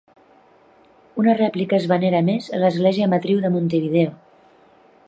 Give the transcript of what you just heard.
Una rèplica es venera a més a l'Església Matriu de Montevideo.